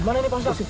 mana ini pak ustadz